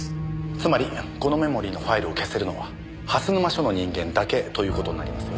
つまりこのメモリーのファイルを消せるのは蓮沼署の人間だけという事になりますよね？